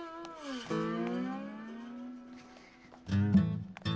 うん。